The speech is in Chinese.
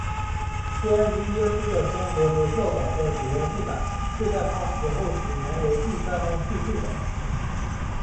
关于耶稣的生活和教导的主要记载是他死后几年由第三方叙述的。